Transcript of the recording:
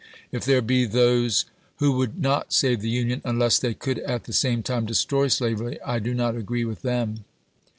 If there be those who would not save the Union unless they could at the same time destroy slavery, I do not agree with them.